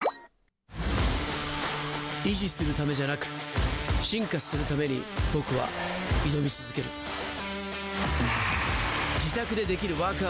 維持するためじゃなく進化するために僕は挑み続ける自宅でできるワーク